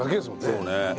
そうね。